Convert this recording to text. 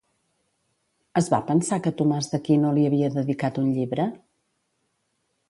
Es va pensar que Tomàs d'Aquino li havia dedicat un llibre?